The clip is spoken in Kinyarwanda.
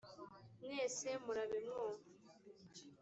mwese murabe mwumva